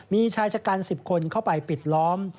มีชายชะกัน๑๐คนเข้าไปปิดล้อม